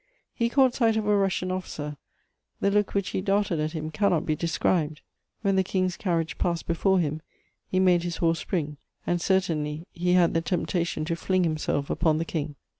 He caught sight of a Russian officer: the look which he darted at him cannot be described. When the King's carriage passed before him, he made his horse spring, and certainly he had the temptation to fling himself upon the King.